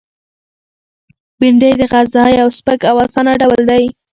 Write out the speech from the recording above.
بېنډۍ د غذا یو سپک او آسانه ډول دی